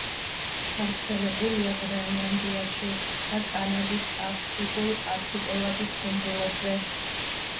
გავრცელებულია გრენლანდიაში და კანადის არქტიკული არქიპელაგის კუნძულებზე.